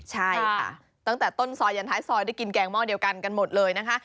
ใช่ค่ะตั้งแต่ต้นซอยยันท้ายซอยได้กินแกงหม้อเดียวกันกันหมดเลยนะคะ